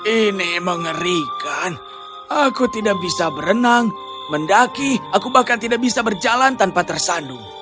ini mengerikan aku tidak bisa berenang mendaki aku bahkan tidak bisa berjalan tanpa tersandung